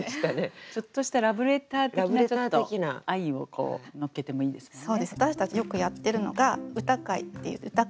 ちょっとしたラブレター的な愛をこう乗っけてもいいですもんね。